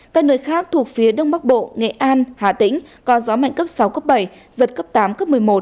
các nơi khác thuộc phía đông bắc bộ nghệ an hà tĩnh có gió mạnh cấp sáu cấp bảy giật cấp tám cấp một mươi một